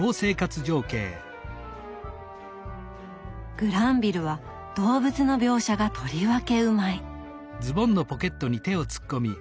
グランヴィルは動物の描写がとりわけうまい！